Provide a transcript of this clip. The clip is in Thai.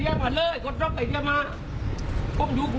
ในปำลังอยากทำอย่างนี้